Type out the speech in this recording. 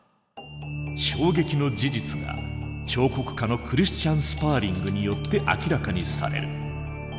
衝撃の事実が彫刻家のクリスチャン・スパーリングによって明らかにされる。